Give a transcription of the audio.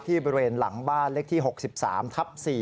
บริเวณหลังบ้านเลขที่๖๓ทับ๔